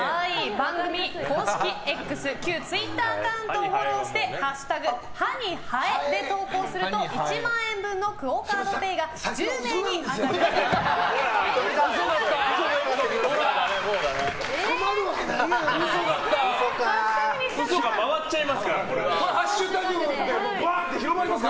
番組公式Ｘ旧ツイッターアカウントをフォローして「＃歯にハエ」で投稿すると１万円分のＱＵＯカードＰａｙが１０人に当たるチャンスです。